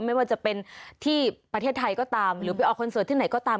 ไม่ว่าจะเป็นที่ประเทศไทยก็ตามหรือไปออกคอนเสิร์ตที่ไหนก็ตาม